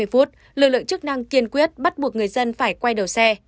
hai mươi hai h ba mươi lực lượng chức năng kiên quyết bắt buộc người dân phải quay đầu xe